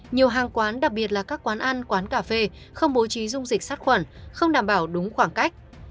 nhiều hàng quán đặc biệt là các quán ăn quán cà phê không bố trí dung dịch sát khuẩn không đảm bảo đúng khoảng cách